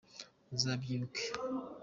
Uzabyibuke